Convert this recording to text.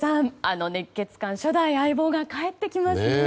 あの熱血漢、初代相棒が帰ってきますね。